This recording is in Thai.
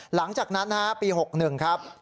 หลังจากนั้นปี๖๑ครับ